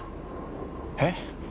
えっ！？